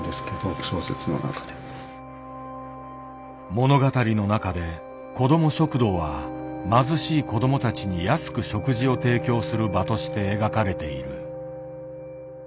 物語の中で「子ども食堂」は貧しい子どもたちに安く食事を提供する場として描かれている。